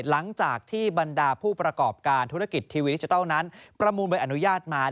หลังจากที่บรรดาผู้ประกอบการธุรกิจทีวีดิจิทัลนั้นประมูลใบอนุญาตมา